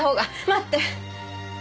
待って！